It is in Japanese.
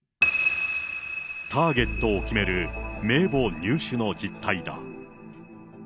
ターゲットを決める名簿入手の実態だ。